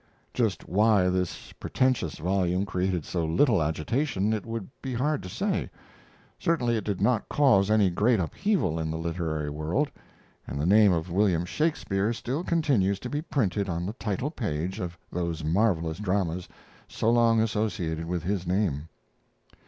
Just why this pretentious volume created so little agitation it would be hard to say. Certainly it did not cause any great upheaval in the literary world, and the name of William Shakespeare still continues to be printed on the title page of those marvelous dramas so long associated with his name.